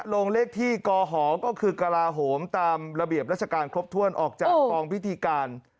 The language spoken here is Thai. ลงเลขที่กหก็คือกระลาโหมตามระเบียบราชการครบถ้วนออกจากกองพิธีการ